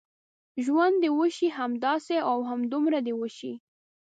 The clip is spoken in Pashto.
ژوند دې وشي، همداسې او همدومره دې وشي.